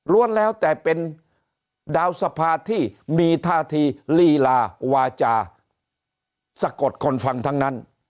แล้วแต่เป็นดาวสภาที่มีท่าทีลีลาวาจาสะกดคนฟังทั้งนั้น